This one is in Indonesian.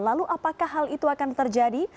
lalu apakah hal itu akan terjadi